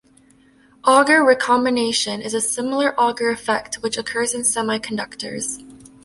Auger recombination is a similar Auger effect which occurs in semiconductors.